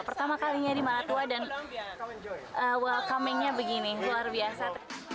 pertama kalinya di maratua dan welcomingnya begini luar biasa